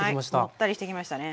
もったりしてきましたね。